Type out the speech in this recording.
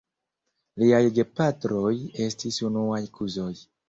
Liaj gepatroj estis unuaj kuzoj.